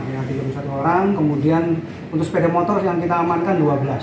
yang belum satu orang kemudian untuk sepeda motor yang kita amankan dua belas